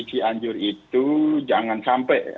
switchi anjur itu jangan sampai